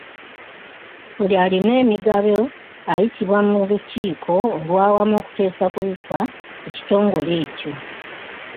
Buli alina emigabo ayitibwa mu lukiiko olw'awamu okuteesa ku bifa ku kitongole ekyo.